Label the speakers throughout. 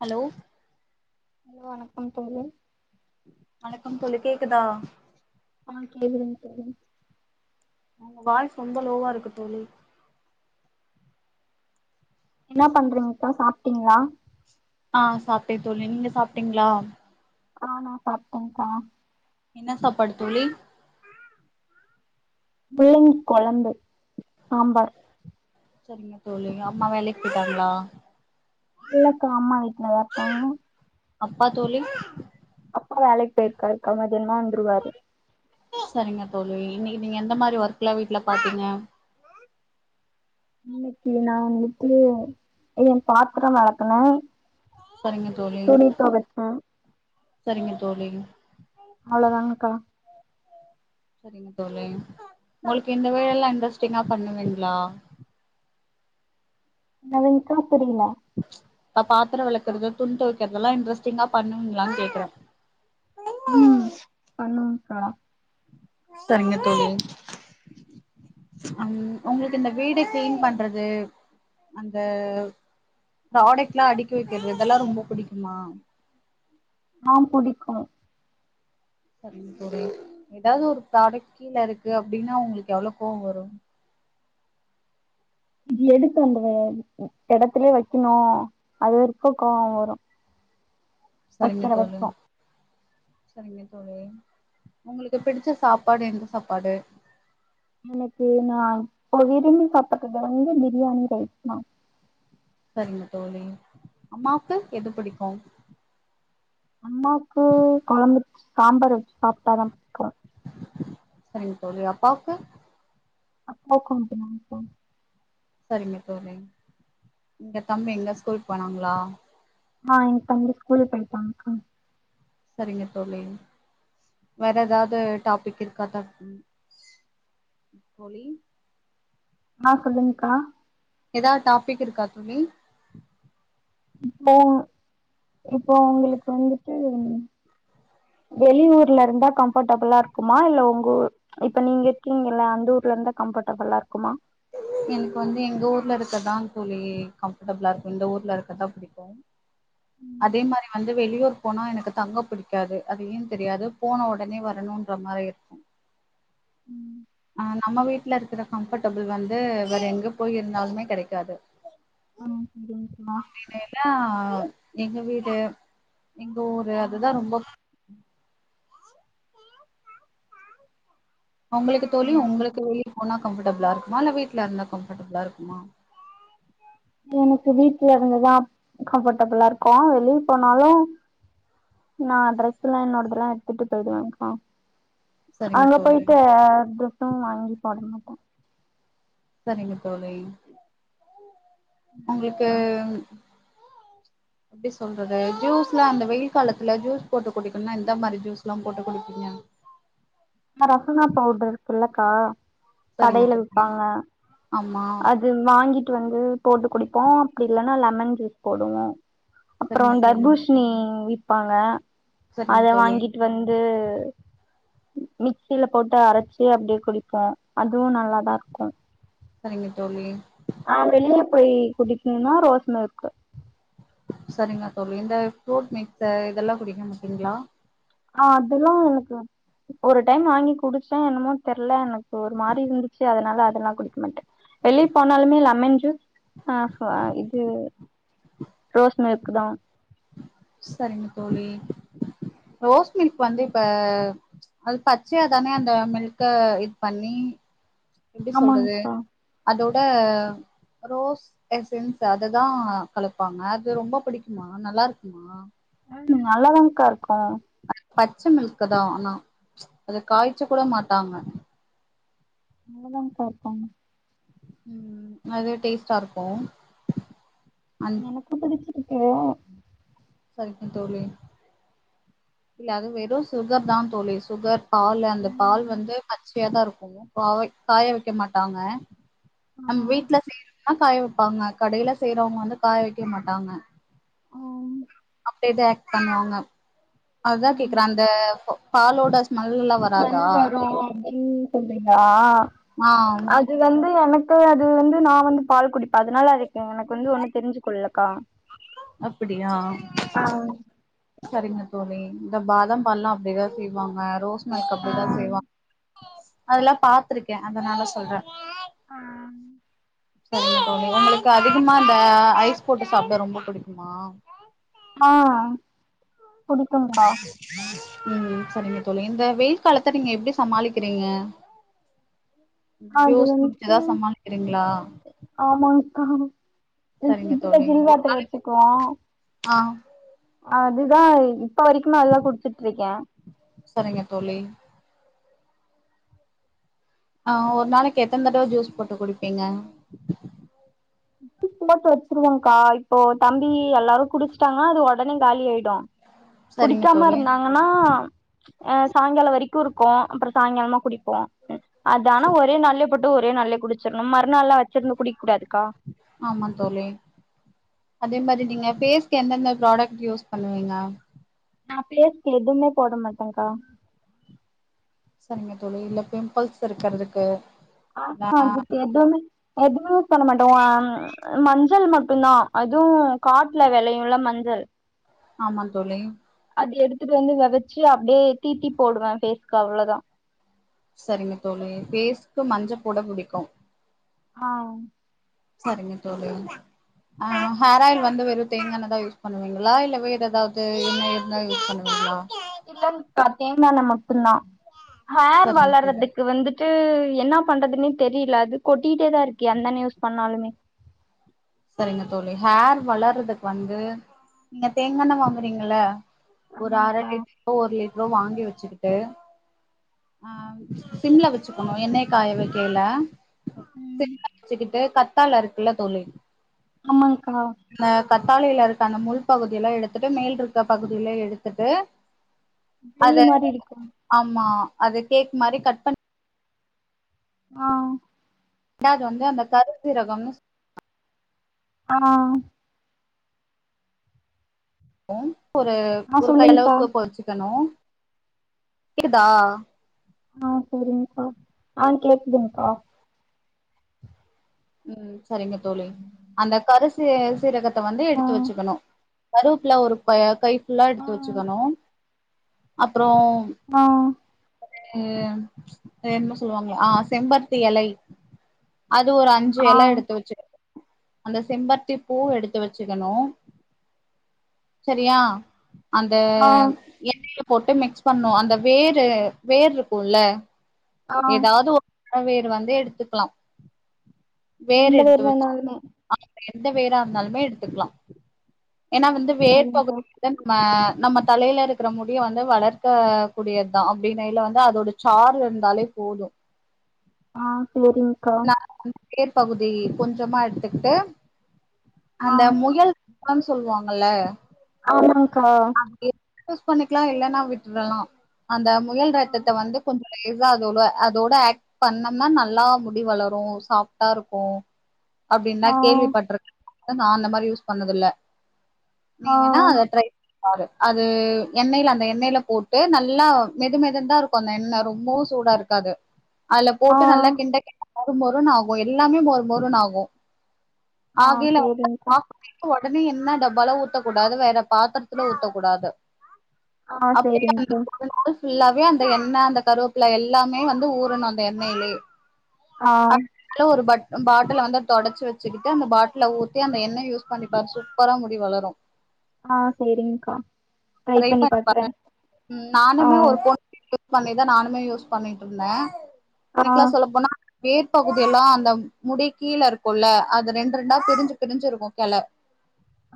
Speaker 1: hello
Speaker 2: hello வணக்கம் தோழி
Speaker 1: வணக்கம் தோழி கேக்குதா
Speaker 2: அஹ் கேக்துங்க தோழி
Speaker 1: உங்க வாய்ஸ் ரொம்ப லோவா இருக்கு தோழி
Speaker 2: என்ன பண்றீங்கக்கா சாப்டீங்களா
Speaker 1: ஆஹ் சாப்டே தோழி நீங்க சாப்டீங்களா
Speaker 2: ஆஹ் நான் சாப்டேன்கா
Speaker 1: என்ன சாப்பாடு தோழி
Speaker 2: முள்ளங்கி கொழம்பு சாம்பார்
Speaker 1: சரிங்க தோழி அம்மா வேலைக்கு போயிட்டாங்களா
Speaker 2: இல்லக்கா அம்மா வீட்டுலதா இருக்காங்க
Speaker 1: அப்பா தோழி
Speaker 2: அப்பா வேலைக்கு போயிருக்காருக்கா வ ன்னாந்துருவாரு
Speaker 1: சரிங்க தோழி இன்னைக்கு நீங்க எந்த மாரி ஒர்கல வீட்டுல பாத்தீங்க
Speaker 2: இன்னைக்கு நா வந்துட்டு என் பாத்திரம் விளக்கனே
Speaker 1: சரிங்க தோழி
Speaker 2: துணி தொவச்சே
Speaker 1: சரிங்க தோழி
Speaker 2: அவ்ளோதாானக்கா
Speaker 1: சரிங்க தோழி உங்களுக்கு இந்த வேலைல்லாம் இன்ட்ரஸ்ட்டிங்கா பண்ணுவீங்களா
Speaker 2: என்னங்கா புரியல
Speaker 1: இப்ப பாத்திரம் வெளக்கிறது துணி துவைக்கிறதுெல்லாம் இன்ட்ரெஸ்ட்டிங்கா பண்ணுவிங்களான்னு கேக்குறேன்
Speaker 2: உம் பண்ணுவு கா
Speaker 1: சரிங்க தோழி அம் உங்களுக்கு இந்த வீடு கிளீன் பண்றது அந்த புரொடக்ட் எல்லாம் அடுக்கி வைக்கிறது இதெல்லாம் ரொம்ப பிடிக்குமா
Speaker 2: ஹாம் பிடிக்கும்
Speaker 1: சரிங்க தோழி ஏதாவது ஒரு புரொடக்ட் கீழ இருக்கு அப்படின்னா உங்களுக்கு எவ்வளவு கோவம் வரும்
Speaker 2: இது எடுத்து அந்த இடத்திலயே வைக்கணும் அது [unintelligible] கோவம் வரும்
Speaker 1: சரிங்க தோழி சரிங்க தோழி உங்களுக்கு பிடிச்ச சாப்பாடு எந்த சாப்பாடு
Speaker 2: எனக்கு நா ப்ப விரும்பி சாப்பிதுறங்க பிரியாணி ரைஸ் தான்
Speaker 1: சரிங்க தோழி அம்மாவுக்கு எது பிடிக்கும்
Speaker 2: அம்மாக்கு குழம்பு சாம்பார் வச்சு சாப்பிட்டாதான் பிக்கும்
Speaker 1: சரிங்க தோழி அப்பாவுக்கு
Speaker 2: அப்பாக்கு [unintelligible]
Speaker 1: சரிங்க தோழி எங்க தம்பி எங்க ஸ்கூல் போனாங்களா
Speaker 2: ஆஹ் என் தம்பி ஸ்கூல் போய்ட்டாங்க்கா
Speaker 1: சரிங்க தோழி வேற ஏதாது டாபிக் இருக்காதான் தோழி
Speaker 2: ஆஹ் சொல்லுங்க்கா
Speaker 1: ஏதாவது டாபிக் இருக்கா தோழி
Speaker 2: இப்போ இப்போ உங்களுக்கு வந்துட்டு வெளியூர்ல இருந்தா கம்ஃபர்டபுளா இருக்குமா இல்ல உங்க ஊர் இப்ப நீங்க இருக்கீங்கல்ல அந்த ஊர்ல இருந்தா கம்ஃபர்டபுளா இருக்குமா
Speaker 1: எனக்கு வந்து எங்க ஊர்ல இருக்கதான் தோழி கம்ஃபர்ட்டபிளா இருக்கும் இந்த ஊர்ல இருக்கதான் பிடிக்கும்
Speaker 2: ம்
Speaker 1: அதே மாரி வந்து வெளியூர் போனா எனக்கு தங்க பிடிக்காது அது ஏன் தெரியாது போன உடனே வரணும்ன்ற மாரி இருக்கும்
Speaker 2: ம்
Speaker 1: அஹ் நம்ம வீட்ல இருக்கிற கம்ஃபர்ட்டபிள் வந்து வேற எங்க போய் இருந்தாலுமே கெடைக்காது
Speaker 2: ஆ செரிங்க்கா
Speaker 1: [unintelligible] [unintelligible] எங்க வீடு எங்க ஊரு
Speaker 2: ஆ
Speaker 1: அதுதான் ரொம்ப- உங்களுக்கு தோழி
Speaker 2: செரிங்
Speaker 1: உங்களுக்கு வெளியூர் போனா கம்ஃபர்டபிளா இருக்குமா இல்ல வீட்ல இருந்தா கம்ஃபர்டபிளா இருக்குமா
Speaker 2: எனக்கு வீட்ல இருந்துதான் கம்ஃபர்டபிளா இருக்கும் வெளிய போனாலும் நான் டிரெஸ்ல்லா என்னோடதெல்லாம் எடுத்துட்டு போயிடுவேங்க்கா
Speaker 1: சரிங்க
Speaker 2: அங்க
Speaker 1: தோழி
Speaker 2: போயிட்டு ட்ரெஸ்ஸும் வாங்கி போட மாட்டேன்
Speaker 1: சரிங்க தோழி உங்களுக்கு எப்டி சொல்றது ஜூஸ்ல அந்த வெயில் காலத்துல ஜூஸ் போட்டு குடிக்கணும்னா எந்த மாரி ஜூஸ்ல்லாம் போட்டு குடிப்பீங்க
Speaker 2: நா ரசனா பவுடர் இருக்குல்லக்கா
Speaker 1: சரிங்க
Speaker 2: கடேல
Speaker 1: தோழி
Speaker 2: விப்பாங்க
Speaker 1: ஆமா
Speaker 2: அது வாங்கிட் ங்கிட்டு வந்து போட்டு குடிப்போம் அப்டி இல்லன்னா லெமன் ஜூஸ் போடுவோம்
Speaker 1: சரிங்க
Speaker 2: அப்புறம்
Speaker 1: தோழி
Speaker 2: தர்பூஷ்ணி வி விப்பாங்க
Speaker 1: சரிங்க
Speaker 2: அத
Speaker 1: தோழி
Speaker 2: வாங்கிட்டு வந்து மிக்சில போட்டு அரச்சு அப்டியே குடிப்போம் அதுவும் நல்லாதான் இருக்கும்
Speaker 1: சரிங்க தோழி
Speaker 2: ஆஹ் வெளில போய் குடிக்கன்னுனா ரோஸ்மில்க்கு
Speaker 1: சரிங்க தோழி இந்த ஃப்ரூட் மிக்சர் இதெல்லாம் குடிக்க மாட்டீங்களா
Speaker 2: ஆஹ் அதெல்லாம் ஒரு டைம் வாங்கி குடிச்சேன் என்னமோ தெர்ல எனக்கு ஒரு மாரி இருந்துச்சு அதுல னால அதெல்லாம் குடிக்க மாட்டேன் வெளிய போனாலுமே லெமன் ஜூஸ் ஆஹ் ஹுவா இது து ரோஸ் மில்க்கு தான்
Speaker 1: சரிங்க தோழி ரோஸ் மில்க் வந்து இப்ப அது பச்சையாதானே அந்த மில்க்க இது பண்ணி எப்டி சொல்றது
Speaker 2: ஆமாங்க்கா
Speaker 1: அதோ ட ரோஸ் எசன்ஸ் அததான் கலப்பாங்க அது ரொம்ப புடிக்குமா நல்லாருக்குமா
Speaker 2: ம் நல்லாதாக்கா இருக்கும்
Speaker 1: பச்ச மில்க் தான் ஆனா ச் அத காய்ச கூட மாட்டாங்க
Speaker 2: நல்லாதாங்க்கா வப்பாங்க
Speaker 1: உம் அது டேஸ்டா இருக்கு அந்
Speaker 2: ஒனக்கு புடிச்சி இப்போ
Speaker 1: சரிங்க தோழி இல்ல அது வெரு சுகர் தா தோழி சுகர் பால் அந்த பால்
Speaker 2: ம்
Speaker 1: வந்து பச் ப்பியாதா இருக்கு காய் காய வெக்க மாட்டாங்க
Speaker 2: ஆ
Speaker 1: நம் வீட்ல செய்றமாரி ஆா காய வெப்பாங்க கடையில செய்றவங்க வந்து காய வெக்க மாட்டாங்க
Speaker 2: ம்
Speaker 1: சேட்ட பண்ணுவாங்க அதா கேக்குறே அந்த போ பால்லோட
Speaker 2: வென் வரு அப்டினு மா
Speaker 1: ஆ
Speaker 2: அது வந்து எனக் அது வந்து நா வந்து பால் குடிப்பே அதனால அதுக்கு எனக்கு ஒன்னு தெரிஞ்சு கொள்லக்கா
Speaker 1: அப்டியா சரிங்க போனேன் இந்த பாதாம் பால்லா அப்டிதா செய்வாங்க ரோஸ் அதுக்கு
Speaker 2: ஆ
Speaker 1: அப்டிதா செய்வா அதெல்லா பாத்துருக்கே அதனால சொல்றே சரிங்க தோழி ஒங்ளுக்கு அதிகமா இந்த ஐஸ் போட்டு சாப்ட ரொம்ப புடிக்குமா
Speaker 2: ஆஹ் புடிக்குக்கா
Speaker 1: உம் சரிங்க தோழி இந்த வெயில் காலத்த நீங்க எப்டி சமாளிக்கிறீங்க
Speaker 2: அது
Speaker 1: டோஸ்
Speaker 2: வந்துட்டு
Speaker 1: முடிச்சுதா சமாளிக்கிறீங்களா
Speaker 2: ஆஹ்
Speaker 1: சரிங்க
Speaker 2: ஃப்ரிட்ஜ்ல
Speaker 1: தோழி
Speaker 2: ஜில் பாத்ரோ வச்சுக்குவோ
Speaker 1: ஆ
Speaker 2: அதுதா இப்ப வரைக்குமே அது தா குடிச்சிட்ருக்கே
Speaker 1: சரிங்க தோழி ஆஹ் ஒரு நாளைக்கு எத்தன தடவ ஜூஸ் போட்டு குடிப்பீங்க
Speaker 2: உப்புகுள்ள போட்ருவேகா இப்போ தம்பி எல்லாரு குடிச்சிட்டாங்கனா அது ஒடனே காலி ஆயிடு
Speaker 1: சரிங்க
Speaker 2: குடிக்காம
Speaker 1: தோழி
Speaker 2: இருந்தாங்கன்னா ஆஹ் சாய்ங்காலோ வரைக்கு இருக்கு அப்றோ சாய்ங்காலமா குடிப்போ அதானே ஒரே நால்ல போட்டு ஒரே நாள்லே குடிச்சிர்னு மறு நால்லா வச்சிருந்து குடிக்கூடாதுக்கா
Speaker 1: ஆமா தோழி அதே மாரி நீங்க ஃபேஸ்கு எந்தெந்த ப்ராடெக்ட் யூஸ் பண்ணுவீங்க
Speaker 2: நான் ஃபேஸ்கு எதுவுமே போட மாட்டேகா
Speaker 1: சரிங்க தோழி இல்ல பிம்பள்ஸ் இருக்கிறதுக்கு
Speaker 2: ஆஹா எதுமே எதுமே யூஸ் பண்ண மாட்டோம் மேம் மஞ்சள் மட்டும் தான் அதுவும் காட்டுல விளையும்ல மஞ்சள்
Speaker 1: ஆமா தோழி
Speaker 2: அது எடுத்துட்டு வந்து விதச்சி அப்படியே தீட்டி போடுவேன் ஃபேஸ்கு அவ்ளோதா
Speaker 1: சரிங்க தோழி ஃபேஸ்கு மஞ்சள் போட புடிக்கும்
Speaker 2: ஆஹ்
Speaker 1: சரிங்க தோழி ஆஹ் ஹேர் ஆயில் வந்து வெறும் தேங்கா எண்ணெய் தான் யூஸ் பண்ணுவீங்களா இல்ல வேற ஏதாவது எண்ணெய் யூஸ் பண்ணுவீங்களா
Speaker 2: இல்லைங்கக்கா தேங்காய் எண்ணெய் மட்டும்தான் ஹேர்
Speaker 1: சரிங்க தோழி
Speaker 2: வளர்றதுக்கு வந்துட்டு ட்டு என்னா பண்றதுன்னே தெரியல அது கொட்டிட்டே தான் இருக்கு எந்த எண்ணெய் யூஸ் பண்ணாலுமே
Speaker 1: சரிங்க தோழி ஹேர் வளர்றதுக்கு வந்து நீங்க தேங்கா எண்ணெய் வாங்குறீங்கள ஒரு அரை
Speaker 2: ஆமாங்க்கா
Speaker 1: லிட்டரோ ஒரு லிட்டரோ வாங்கி வச்சு வச்சுகிட்டு ஆஹ் சிம்ல வச்சுக்கணும் எண்ணெய காய வைக்கயில
Speaker 2: ம்
Speaker 1: சிம்ல வச்சுக்கிட்டு கத்தால இருக்குல்ல தோழி
Speaker 2: ஆமாங்கா
Speaker 1: அந்த கத்தாழையில இருக்க அந்த முள் பகுதிய எல்லாம் எடுத்துட்டு மேல் இருக்க பகுதியிலாம் எடுத்துட்டு அத
Speaker 2: ஜெல்லு மாரி இருக்கு
Speaker 1: ஆமா அது கேக் மாதிரி கட் பண்ணி
Speaker 2: ஆஹ்
Speaker 1: ரெண்டாவது வந்து அந்த கருஞ்சீரகம்
Speaker 2: ஆஹ்
Speaker 1: உம் ஒரு
Speaker 2: ஆ
Speaker 1: ஒரு
Speaker 2: சொல்லுங்க்கா
Speaker 1: கையளவுக்கு பொறிச்சுக்கனும் கேக்குதா
Speaker 2: ஆஹ் சரிங்கக்கா நான் கேக்குதுங்க்கா
Speaker 1: உம் சரிங்க தோழி அந்த கருசு சி சீரக வந்து
Speaker 2: ஆ
Speaker 1: எடுத்து வச்சுக்கணும் கருவேப்புல்ல ஒரு கை ஃபுல்லா
Speaker 2: ஆ
Speaker 1: எடுத்து வச்சுக்கணும் அப்புறம்
Speaker 2: ஆ
Speaker 1: அது என்னமோ சொல்லுவாங்களே ஆ செம்பருத்தி இலை அது ஒரு அஞ்ச
Speaker 2: ஆ
Speaker 1: எல்லாம் எடுத்து வச்சு அந்த செம்பருத்தி பூ எடுத்து வச்சுக்கணும் சரியா அந்த
Speaker 2: ஆ
Speaker 1: எண்ணெய்ல போட்டு மிக்ஸ் பண்ணோம் அந்த வேரு வேர் இருக்கும்ல்ல
Speaker 2: ஆ
Speaker 1: எதாவ்து ஒ அ வேரு வந்து எடுத்துக்லா
Speaker 2: எந்த வேர் வேணாலுமே
Speaker 1: எந்த வேரா இருந்தாலுமே எடுத்துக்லா ஏன்னா
Speaker 2: ஆ
Speaker 1: வந்து வேர்
Speaker 2: சேரிங்க்கா
Speaker 1: பகுதிலதா நம்ம நம்ம தலைல இருக்கற முடிய வந்து வளர்க்க கூடியத்தா அப்டினய்ல வந்து அதோட சார் இருந்தாலே போது
Speaker 2: ஆ சேரிங்க்கா
Speaker 1: வேர் பகுதி கொஞ்சமா எட்த்துக்ட்டு
Speaker 2: ஆ
Speaker 1: அந்த முயல் இப்பான் சொல்வாங்கல்ல
Speaker 2: ஆமாங்க்கா
Speaker 1: யூஸ் பண்ணிக்லா இல்லன்னா விட்றலா அந்த முயல்
Speaker 2: ஆ
Speaker 1: ரத்தத்த வந்து கொஞ்ச லேசா அதோட அதோட ஏட் பண்ணம்னா நல்லா முடி வளரு சாஃப்டாருக்கூ அப்டின்னா
Speaker 2: ஆ
Speaker 1: கேள்விப்பட்ரு நா அந்த மாரி யூஸ் பண்ணதில்ல நீங்க வேணா அத ட்ரை பாரு அது எண்ணெயில அந்த எண்ணெயில போட்டு நல்லா மெது மெதுன் தாருக்கு அந்த எண்ணெ ரொம்பவு சூடாருக்காது அதுல
Speaker 2: ஆ
Speaker 1: போட்டு நல்லா கிண்ட [inaudible] மொறுமொறுனு ஆகு எல்லாமே மொறு மொறுனு ஆகு
Speaker 2: ஆ
Speaker 1: ஆகையில
Speaker 2: சேரிங்க்கா
Speaker 1: [inaudible] உடனே என்ன டப்பால ஊத்தக்கூடாது வேற பாத்தரத்துல ஊத்தக்கூடாது
Speaker 2: ஆ
Speaker 1: அப்டியே அந்த
Speaker 2: சேரிங்க்கா
Speaker 1: ஒரு நாள் ஃபுல்லாவே அந்த எண்ணெ அந்த கருவேப்பில எல்லாமே வந்து ஊறணு அந்த எண்ணெய்லயே
Speaker 2: ஆ
Speaker 1: [inaudible] ஒரு பட் அ பாட்டில வந்து தொடச்சு வெச்சுக்கிட்டு அந்த பாட்ல ஊத்தி அந்த எண்ணை யூஸ் பண்ணிப்பார் சூப்பரா முடி வளரு
Speaker 2: ஆ சேரிங்க்கா
Speaker 1: ட்ரை
Speaker 2: பண்ணி பாக்குறே
Speaker 1: [inaudible]
Speaker 2: ஆ
Speaker 1: நானுமே ஒரு [inaudible] பண்ணிதா நானுமே யூஸ் பண்ணிட்ருந்தே
Speaker 2: ஆ
Speaker 1: எனக்லா சொல்ல போனா வேர் பகுதி எல்லா அந்த முடி கீழ இருக்குல்ல அது ரெண் ரெண்டா பிரிஞ்சு பிரிஞ்சிருக்கு கெள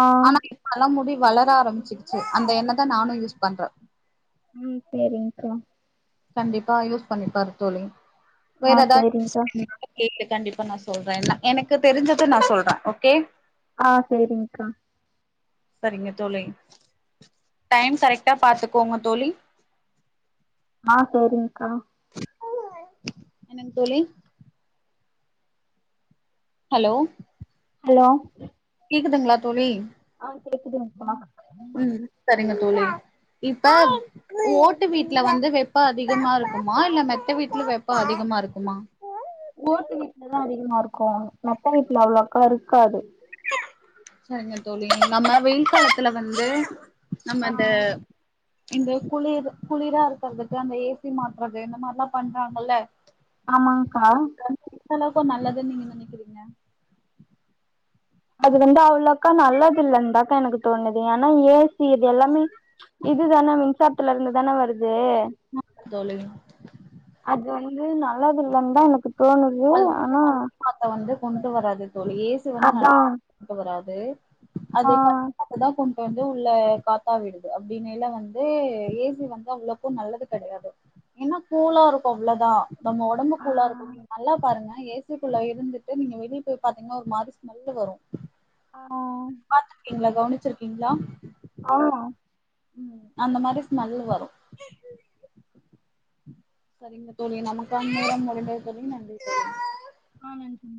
Speaker 2: ஆ
Speaker 1: ஆனா இப்பல்லா முடி வளர ஆரம்பிச்சிருச்சு அந்த எண்ண தா நானு யூஸ் பண்றே
Speaker 2: உம் செரிங்கா
Speaker 1: கண்டிப்பா யூஸ் பண்ணிப்பாரு தோழி
Speaker 2: ஆ
Speaker 1: வேற எதா
Speaker 2: சேரிங்க்கா
Speaker 1: [inaudible] கண்டிப் நா சொல்றே எனக்கு தெரிஞ்சது நா சொல்றே ஓகே
Speaker 2: ஆஹ் சேரிங்கா
Speaker 1: சரிங்க தோழி டைம் கரெக்டா பாத்துக்கோங்க தோழி
Speaker 2: ஆஹ் சரிக்கா
Speaker 1: என்னங் தோழி ஹலோ
Speaker 2: ஹலோ
Speaker 1: கேக்குதுங்களா தோழி
Speaker 2: கேக்குதுங்கா
Speaker 1: உம் சரிங்க இப்ப ஓட்டு வீட்ல வந்து வெப்போ அதிகமா இருக்குமா இல்ல மெத்த வீட்ல வெப்போ அதிகமா இருக்குமா
Speaker 2: ஓட்டு வீட்லதா அதிகமா இருக்கு மத்த வீட்ல அவ்ளோக்கா இருக்காது
Speaker 1: சரிங்க தோழி நம்ப வெயில் காலத்துல வந்து நம்ப இந்த
Speaker 2: ஆ
Speaker 1: இந்த குளிர் குளிரா இருக்கறதுக்கு அந்த ஏசி மாட்றது இந்த மாரிலா பண்றாங்கெல்ல
Speaker 2: ஆமாங்கா
Speaker 1: எந்த அளவுக்கு நல்லதுன்னு நீங்க நெனைக்கிறீங்க
Speaker 2: அது வந்து அவ்ளோக்கா நல்லது இல்லன்னுதாகா எனக்கு தோணுது ஏனா ஏசி இது எல்லாமே இதுதானே மின்சாரத்துல இருந்து தானே வரு து
Speaker 1: தோழி
Speaker 2: அது வந்து நல்லது இல்லனு தா எனக்கு தோணுது
Speaker 1: அது வந்து
Speaker 2: ஆனா
Speaker 1: [inaudible] மாத்த வந்து கொண்டு வரது தோழி ஏசு வந்து
Speaker 2: அதா
Speaker 1: நல்ல [inaudible] கொண்டு வராது து அது
Speaker 2: ஆ
Speaker 1: [unintelligible] வந்து உள்ள காத்தா விடுது அப்டிங்கெல வந்து ஏசி வந்து அவ்ளோக்கு நல்லது கெடையாது ஏன்னா கூலா இருக்கு அவ்ளோவுதா நம்ப ஒடம்பு
Speaker 2: ஆ
Speaker 1: கூலா இருக்கு நல்லா பாருங்க ஏசிக்குள்ள இருந்துட்டு நீங்க வெளிய போய் பாத்தீங்கன்னா ஒரு மாரி ஸ்மெல்லு வரு
Speaker 2: ஆஹ்
Speaker 1: பாத்துருக்கீங்களா கவனிச்சிருக்கீங்களா
Speaker 2: ஆஹ்
Speaker 1: உம் அந்த மாரி ஸ்மெல்லு வரு சரிங்க தோழி நமக்கான நன்றி தோழி நன்றி தோழி
Speaker 2: ஆ